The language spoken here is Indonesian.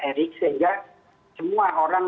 erick sehingga semua orang